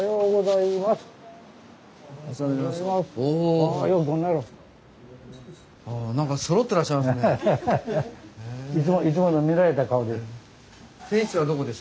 いつもの見慣れた顔です。